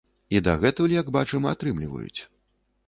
І дагэтуль, як бачым, атрымліваюць.